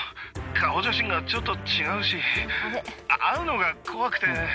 顔写真がちょっと違うし、会うのが怖くて。